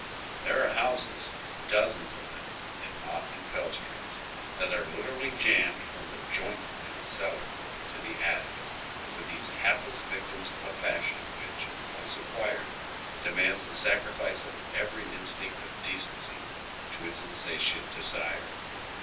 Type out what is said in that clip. There are houses, dozens of tliem, in Mott and Pell Streets, that are literally jammed, from the "joint" in the cellar to the attic, with these hapless victims of a passion whichj once oyGoogle 96 HOW THK OTHEK HALF LIVES. acquired, demands the sacrifice of every instinct of decen cy to its insatiate desii e.